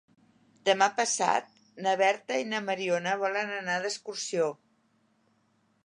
Demà passat na Berta i na Mariona volen anar d'excursió.